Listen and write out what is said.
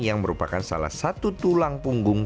yang merupakan salah satu tulang punggung